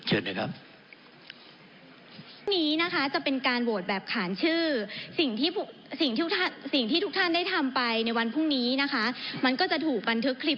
เอาเชิญเชิญเลยครับ